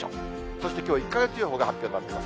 そしてきょう、１か月予報が発表になってます。